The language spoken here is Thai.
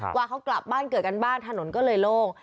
ว่าเขากลับบ้านเกิดกันบ้างถนนก็เลยโล่ง